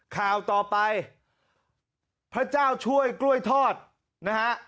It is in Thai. ข่าวต่อไปพระเจ้าช่วยกล้วยทอดนะฮะ